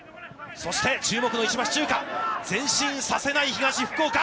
そして、注目の石橋チューカ、前進させない東福岡。